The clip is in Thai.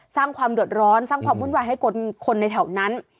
สร้างความเดือดร้อนสร้างความวุ่นวายให้คนในแถวนั้น